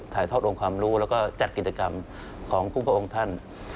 ถ่ายทอดองค์ความรู้แล้วก็จัดกิจกรรมของคู่พระองค์ท่าน